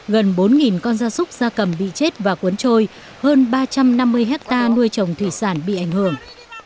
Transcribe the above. gần bốn con da súc da cầm bị chết và cuốn trôi hơn ba trăm năm mươi hectare nuôi trồng thủy sản bị ảnh hưởng